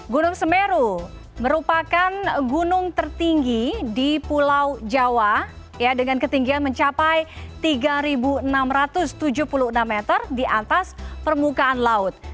gunung semeru merupakan gunung tertinggi di pulau jawa ya dengan ketinggian mencapai tiga enam ratus tujuh puluh enam meter di atas permukaan laut